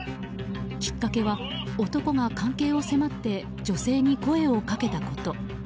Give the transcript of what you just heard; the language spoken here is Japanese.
きっかけは男が関係を迫って女性に声をかけたこと。